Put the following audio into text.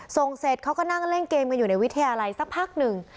เสร็จเขาก็นั่งเล่นเกมกันอยู่ในวิทยาลัยสักพักหนึ่ง